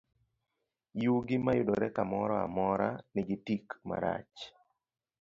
Yugi mayudore kamoro amora, nigi tik marach.